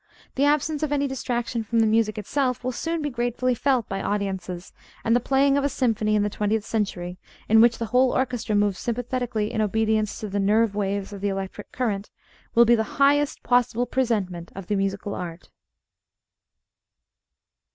The absence of any distraction from the music itself will soon be gratefully felt by audiences, and the playing of a symphony in the twentieth century, in which the whole orchestra moves sympathetically in obedience to the "nerve waves" of the electric current, will be the highest possible presentment of the musical art.